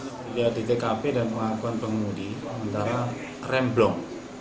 pembaliknya di tkp dan pengakuan pengundi antara remblong